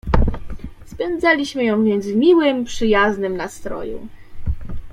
"Spędzaliśmy ją więc w miłym, przyjaznym nastroju."